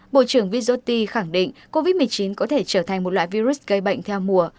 bộ trưởng visoti khẳng định covid một mươi chín có thể trở thành một loại virus gây bệnh theo mùa